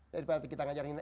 daripada kita mengajarkan